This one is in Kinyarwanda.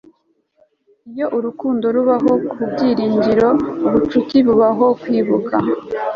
iyo urukundo rubaho ku byiringiro, ubucuti bubaho kwibuka